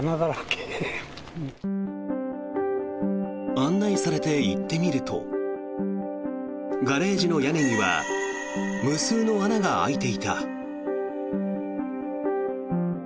案内されて行ってみるとガレージの屋根には無数の穴が開いていた。